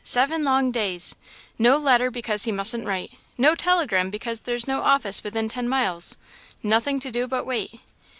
"Seven long days! No letter, because he mustn't write, no telegram, because there's no office within ten miles nothing to do but wait!"